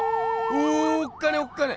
おおっかねえおっかねえ。